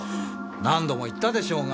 何度も言ったでしょうが。